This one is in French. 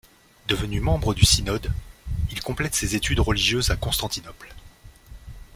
Devenu membre du synode, il complète ses études religieuses à Constantinople.